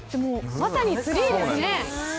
まさにツリーですね。